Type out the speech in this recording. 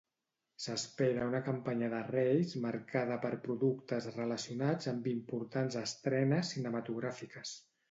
S'espera una campanya de Reis marcada per productes relacionats amb importants estrenes cinematogràfiques.